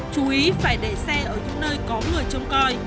chú ý phải để xe ở những nơi có người trông coi